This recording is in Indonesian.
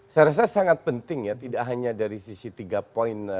saya rasa sangat penting ya tidak hanya dari sisi tiga poin